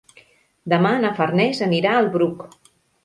Demà na Farners anirà al Bruc.